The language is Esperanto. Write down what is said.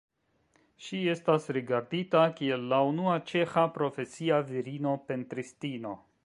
Ŝi estas rigardita kiel la unua ĉeĥa profesia virino pentristino.